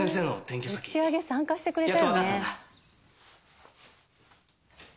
打ち上げ参加してくれたよね。